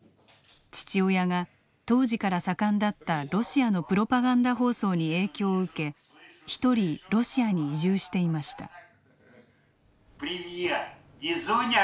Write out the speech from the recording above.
父親が、当時から盛んだったロシアのプロパガンダ放送に影響を受け１人、ロシアに移住していました。